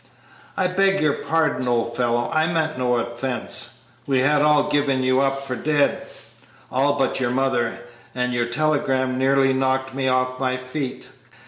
"I beg your pardon, old fellow; I meant no offence. We had all given you up for dead all but your mother; and your telegram nearly knocked me off my feet."